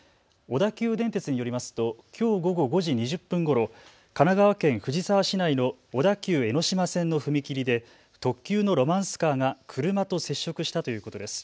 小田急電鉄によりますときょう午後５時２０分ごろ、神奈川県藤沢市内の小田急江ノ島線の踏切で特急のロマンスカーが車と接触したということです。